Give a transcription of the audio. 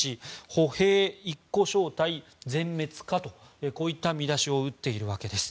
歩兵一個小隊全滅かというこういった見出しを打っているわけです。